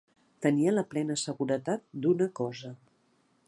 Tenir la plena seguretat d'una cosa.